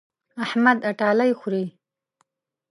احمد اټالۍ خوري.